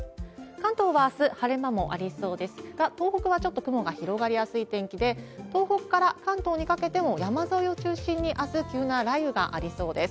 関東はあす、晴れ間もありそうですが、東北はちょっと雲が広がりやすい天気で、東北から関東にかけても、山沿いを中心に、あす、急な雷雨がありそうです。